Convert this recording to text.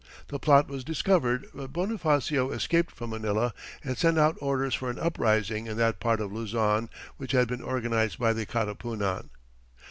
The plot was discovered, but Bonifacio escaped from Manila, and sent out orders for an uprising in that part of Luzon which had been organized by the Katipunan.